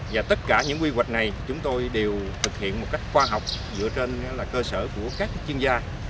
và tất cả những quy hoạch này chúng tôi đều thực hiện một cách khoa học dựa trên cơ sở của các chuyên gia